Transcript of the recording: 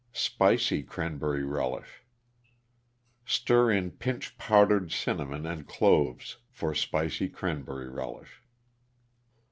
=Spicy Cranberry Relish.= Stir in pinch powdered cinnamon and cloves for Spicy Cranberry Relish.